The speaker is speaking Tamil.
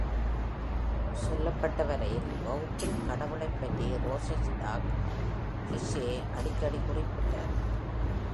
சொல்லப்பட்ட வரையில், வகுப்பில் கடவுளைப் பற்றி ரோசன்ஸ்டாக்-ஹுஸே அடிக்கடி குறிப்பிட்டார்.